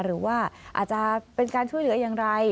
หรือว่าอาจจะเป็นการช่วยเหลืออย่างไร